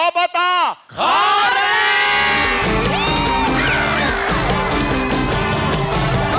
ตขอแรง